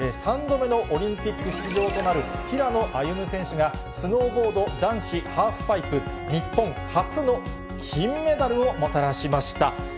３度目のオリンピック出場となる平野歩夢選手が、スノーボード男子ハーフパイプ、日本初の金メダルをもたらしました。